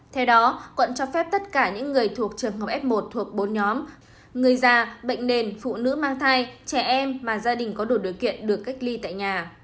theo đó quận cho phép tất cả những người thuộc trường hợp f một thuộc bốn nhóm người già bệnh nền phụ nữ mang thai trẻ em mà gia đình có đủ điều kiện được cách ly tại nhà